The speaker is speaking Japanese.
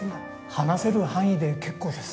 話せる範囲で結構です。